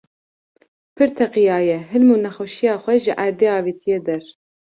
pir teqiyaye, hilm û nexweşiya xwe ji erdê avitiye der